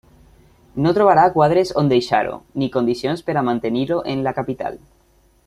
No trobarà quadres on deixar-ho, ni condicions per a mantenir-ho en la capital.